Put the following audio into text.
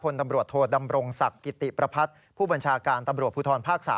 ตำรวจโทดำรงศักดิ์กิติประพัฒน์ผู้บัญชาการตำรวจภูทรภาค๓